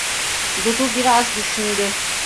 Dudu biraz düşündü.